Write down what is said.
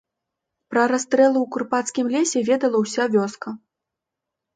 Пра расстрэлы ў курапацкім лесе ведала ўся вёска.